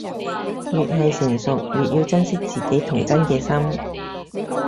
越係成熟，越要珍惜自己童真嘅心